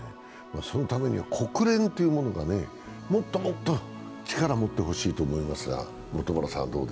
そのためには国連というものがもっともっと力を持ってほしいと思いますが。